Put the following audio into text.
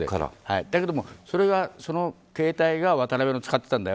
だけどもその携帯が渡辺が使ってたんだよ